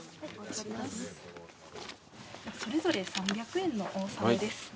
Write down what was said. それぞれ３００円のお納めです。